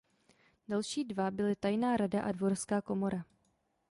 Další dva byly tajná rada a dvorská komora.